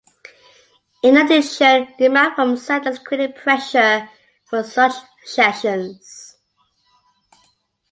In addition, demand from settlers created pressure for such cessions.